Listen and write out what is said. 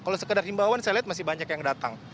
kalau sekedar himbauan saya lihat masih banyak yang datang